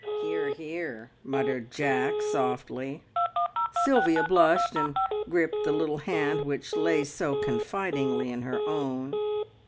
"Hear, hear!" muttered Jack softly. Sylvia blushed and gripped the little hand which lay so confidingly in her own.